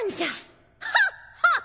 ハッハッハ！